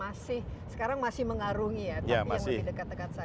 masih sekarang masih mengarungi ya tapi yang lebih dekat dekat saja